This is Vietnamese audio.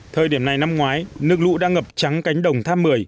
thời điểm này năm ngoái nước lũ đã ngập trắng cánh đồng tháp một mươi